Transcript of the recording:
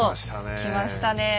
きましたねえ。